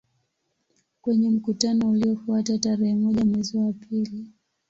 Kwenye mkutano uliofuata tarehe moja mwezi wa pili